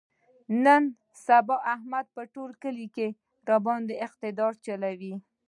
نن سبا احمد په ټول کلي باندې اقتدار چلوي.